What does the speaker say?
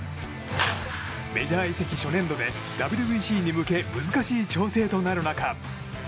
メジャー移籍初年度でＷＢＣに向け難しい調整となる中。